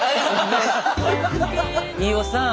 飯尾さん。